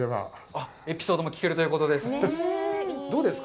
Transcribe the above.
あっ、エピソードも聞けるということです。